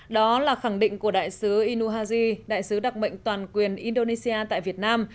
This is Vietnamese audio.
đó là khẳng định của đại sứ inu haji đại sứ đặc mệnh toàn quyền indonesia tại việt nam